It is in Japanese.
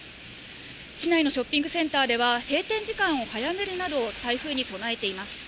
市内のショッピングセンターでは、閉店時間を早めるなど、台風に備えています。